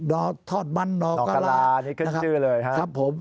ทอดมันดอกกะลานี่ขึ้นชื่อเลยครับผม